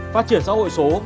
phát triển xã hội số